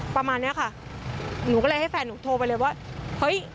ประมาณเนี้ยค่ะหนูก็เลยให้แฟนหนูโทรไปเลยว่าเฮ้ย